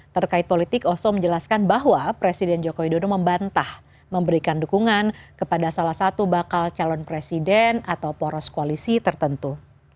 terkait politik oso menjelaskan bahwa presiden jokowi dodo membantah memberikan dukungan kepada salah satu bakal calon presiden atau poros koalisi tertentu